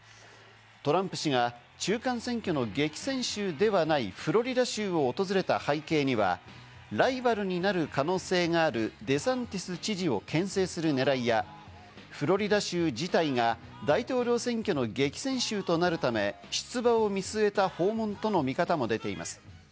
トランプ氏が中間選挙の激戦州ではないフロリダ州を訪れた背景には、ライバルになる可能性があるデサンティス知事をけん制する狙いや、フロリダ州自体が大統領選挙の激戦州となるため、出馬を見据えた訪問との見方も出ています。